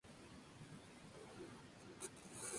Su biografía fue escrita por Cornelio Nepote.